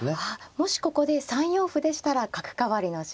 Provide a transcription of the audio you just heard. もしここで３四歩でしたら角換わりの。